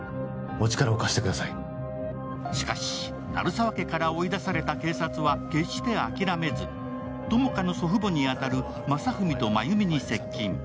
しかし、鳴沢家から追い出された警察は決して諦めず、友果の祖父母に当たる正文と麻由美に接近。